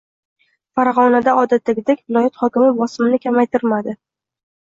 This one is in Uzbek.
Farg'onada odatdagidek viloyat hokimi bosimini kamaytirmadi